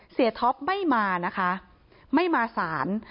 ท็อปไม่มานะคะไม่มาสาร